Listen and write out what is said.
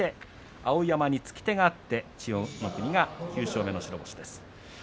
碧山につき手があって千代の国が９勝目の白星です。